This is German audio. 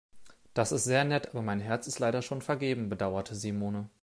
Das ist sehr nett, aber mein Herz ist leider schon vergeben, bedauerte Simone.